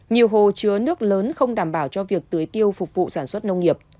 nhiều hồ chứa nước lớn không đảm bảo cho việc tưới tiêu phục vụ sản xuất nông nghiệp